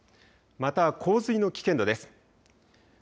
また、洪水の危険度です。